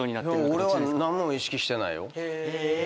俺は何も意識してないよ。